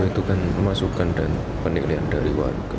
ya itu itu kan masukan dan penilaian dari warga